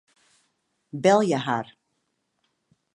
Belje har.